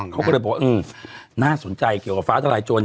เขาก็เลยบอกว่าน่าสนใจเกี่ยวกับฟ้าทลายโจร